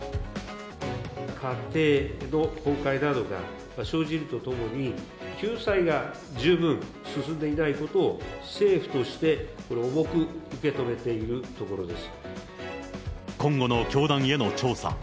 家庭の崩壊などが生じるとともに、救済が十分進んでいないことを政府として、これ、今後の教団への調査。